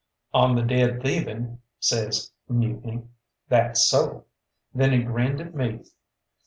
"On the dead thieving," says Mutiny, "that's so!" Then he grinned at me.